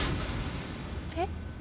えっ？